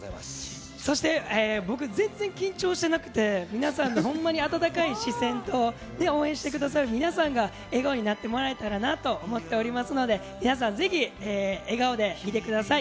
そして、僕、全然緊張してなくて、皆さんのほんまに温かい視線と、応援してくださる皆さんが笑顔になってもらえたらなと思っておりますので、皆さん、ぜひ笑顔で見てください。